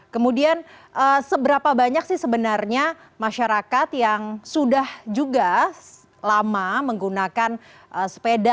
kemudian seberapa banyak sih sebenarnya masyarakat yang sudah juga lama menggunakan sepeda